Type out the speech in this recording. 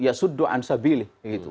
ya sudah ansabilih